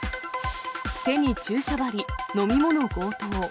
手に注射針、飲み物強盗。